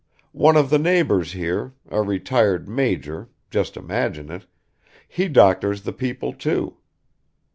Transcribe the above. One of the neighbors here, a retired major, just imagine it, he doctors the people too.